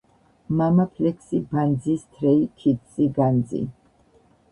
მამაფლექსი ბანძი სთრეი ქიდსი განძი